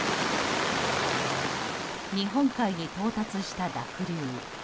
日本海に到達した濁流。